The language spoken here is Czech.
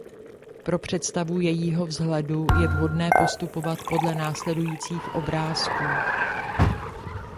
Pro představu jejího vzhledu je vhodné postupovat podle následujících obrázků.